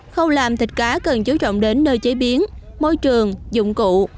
khâu làm thịt cá cần chú trọng đến nơi chế biến môi trường dụng cụ